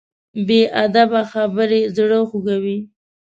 بې ادبه خبرې زړه خوږوي.